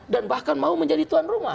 dan bahkan mau menjadi tuan rumah